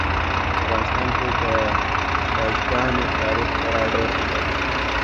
په افغانستان کې د بزګانو تاریخ خورا ډېر اوږد دی.